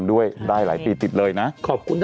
มาแล้วยินดีด้วยค่ะ